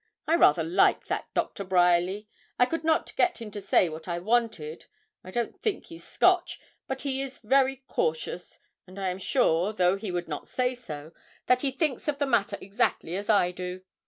I rather like that Doctor Bryerly. I could not get him to say what I wanted. I don't think he's Scotch, but he is very cautious, and I am sure, though he would not say so, that he thinks of the matter exactly as I do.